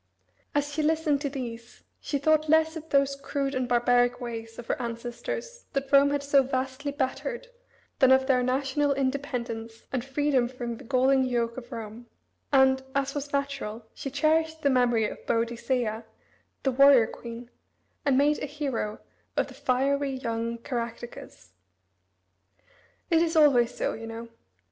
As she listened to these she thought less of those crude and barbaric ways of her ancestors that Rome had so vastly bettered than of their national independence and freedom from the galling yoke of Rome, and, as was natural, she cherished the memory of Boadicea, the warrior queen, and made a hero of the fiery young Caractacus. It is always so, you know.